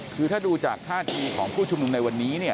คือถ้าดูจากท่าทีของผู้ชุมนุมในวันนี้